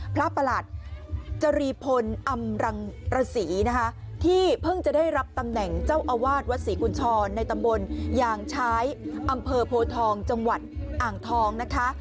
ประหลัดจรีพลอำรังประศรีนะคะที่เพิ่งจะได้รับตำแหน่งเจ้าอาวาสวัดศรีกุญชรในตำบลยางชายอำเภอโพทองจังหวัดอ่างทองนะคะ